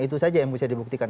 itu saja yang bisa dibuktikan